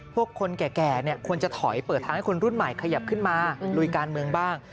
คนแก่ควรจะถอยเปิดทางให้คนรุ่นใหม่ขยับขึ้นมาลุยการเมืองบ้าง